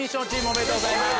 おめでとうございます。